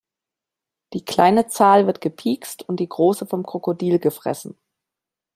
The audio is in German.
Die kleine Zahl wird gepikst und die große vom Krokodil gefressen.